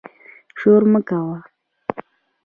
شور مه کوئ